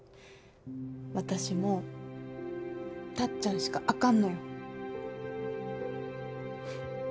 私もタッちゃんしかあかんのよ。